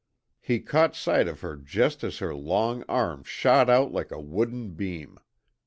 He caught sight of her just as her long arm shot out like a wooden beam.